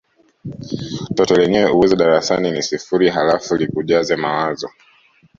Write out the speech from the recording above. toto lenyewe uwezo darasani ni sifuri halafu likujaze mawazo